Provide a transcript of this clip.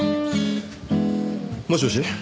もしもし。